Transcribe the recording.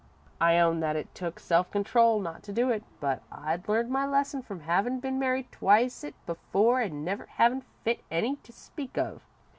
I own that it took self control not to do it, but I'd learned my lesson from havin' been married twicet before an' never havin' fit any to speak of.